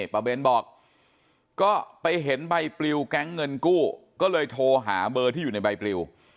เบนบอกก็ไปเห็นใบปลิวแก๊งเงินกู้ก็เลยโทรหาเบอร์ที่อยู่ในใบปลิว